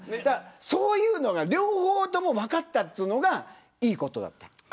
そういうのが両方とも分かったというのがいいことだった。